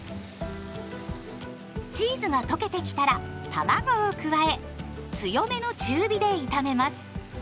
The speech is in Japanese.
チーズが溶けてきたらたまごを加え強めの中火で炒めます。